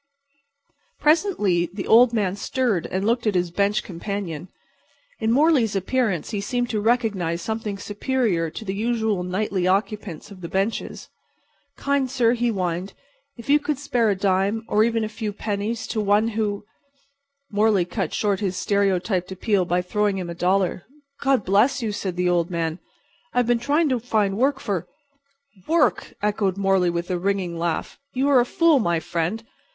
Presently the old man stirred and looked at his bench companion. In Morley's appearance he seemed to recognize something superior to the usual nightly occupants of the benches. "Kind sir," he whined, "if you could spare a dime or even a few pennies to one who"— Morley cut short his stereotyped appeal by throwing him a dollar. "God bless you!" said the old man. "I've been trying to find work for"— "Work!" echoed Morley with his ringing laugh. "You are a fool, my friend.